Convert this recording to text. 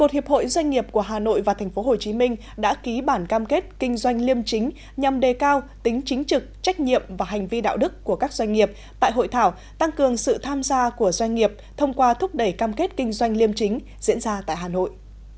một hiệp hội doanh nghiệp của hà nội và tp hcm đã ký bản cam kết kinh doanh liêm chính nhằm đề cao tính chính trực trách nhiệm và hành vi đạo đức của các doanh nghiệp tại hội thảo tăng cường sự tham gia của doanh nghiệp thông qua thúc đẩy cam kết kinh doanh liêm chính diễn ra tại hà nội